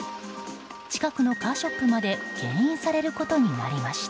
近くのカーショップまで牽引されることになりました。